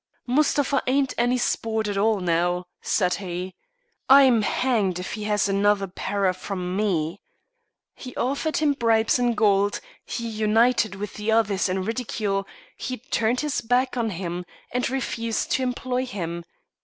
"Mustapha ain't any sport at all now," said he. "I'm hanged if he has another para from me." He offered him bribes in gold, he united with the others in ridicule, he turned his back on him, and refused to employ him.